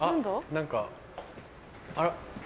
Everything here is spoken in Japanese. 何かあら。